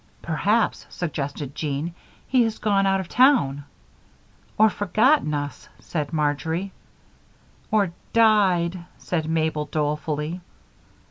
"Perhaps," suggested Jean, "he has gone out of town." "Or forgotten us," said Marjory. "Or died," said Mabel, dolefully.